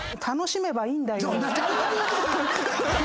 楽しめばいいんだよ。